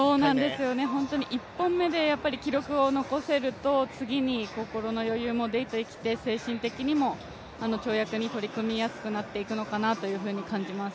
本当に１本目で記録を残せると次に心の余裕も出てきて、精神的にも跳躍に取り組みやすくなってくるのかなというふうに感じます。